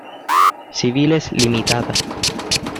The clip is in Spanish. Civiles Ltda.